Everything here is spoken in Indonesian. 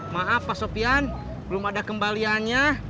maaf pak sofian belum ada kembaliannya